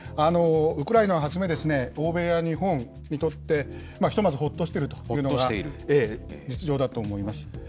ウクライナをはじめ、欧米や日本にとって、ひとまずほっとしているというのが実情だと思います。